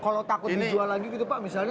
kalau takut dijual lagi gitu pak misalnya